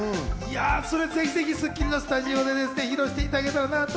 ぜひぜひ『スッキリ』のスタジオで披露していただけたらなと。